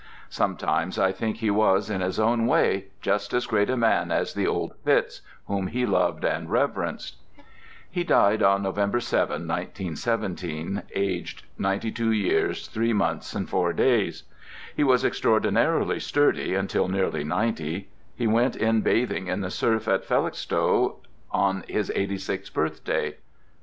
Sometimes I think he was, in his own way, just as great a man as the "Old Fitz," whom he loved and reverenced. He died on November 7, 1917, aged ninety two years three months and four days. He was extraordinarily sturdy until nearly ninety—he went in bathing in the surf at Felixstowe on his eighty sixth birthday.